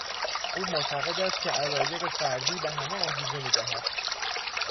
او معتقد است که علایق فردی به همه انگیزه میدهد.